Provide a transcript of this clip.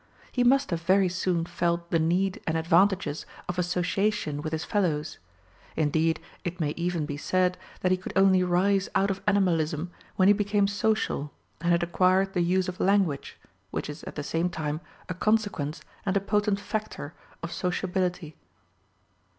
He must have very soon felt the need and advantages of association with his fellows. Indeed it may even be said that he could only rise out of animalism when he became social, and had acquired the use of language, which is at the same time a consequence and a potent factor of sociability.